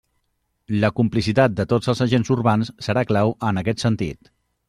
La complicitat de tots els agents urbans serà clau en aquest sentit.